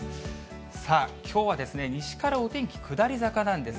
さあ、きょうは西からお天気下り坂なんです。